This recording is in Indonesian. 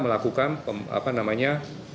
melakukan apa namanya